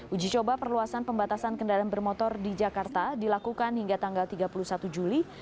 uji coba perluasan pembatasan kendaraan bermotor di jakarta dilakukan hingga tanggal tiga puluh satu juli